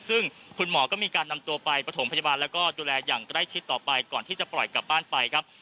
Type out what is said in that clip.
ซึ่งคุณหมอก็มีการนำตัวไปประถมพยาบาลแล้วก็ดูแลอย่างใกล้ชิดต่อไปก่อนที่จะปล่อยกลับบ้านไปครับ